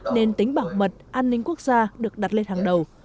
nên tính bảo mật an ninh quốc gia được đặt lên hàng đầu